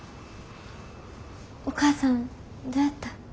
お母さんどやった？